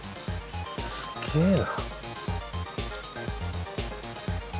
すげえな。